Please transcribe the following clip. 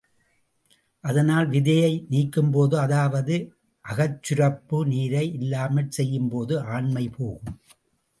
அதனால் விதையை நீக்கும்போதே அதாவது அகச்சுரப்பு நீரை இல்லாமற் செய்யும்போதே ஆண்மை போகும்.